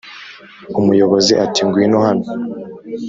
umuyobozi ati ngwino hano